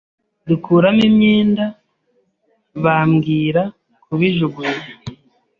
dukuramo imyenda bambwira kubijugunya